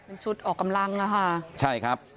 มันชุดออกกำลังนะฮะใช่ครับ